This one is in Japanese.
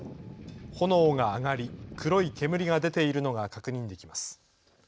炎が上がり黒い煙が出ているのが確認できます。